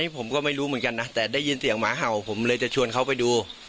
ผมก็ไม่รู้เหมือนกันนะแต่ได้ยินเสียงหมาเห่าผมเลยจะชวนเขาไปดู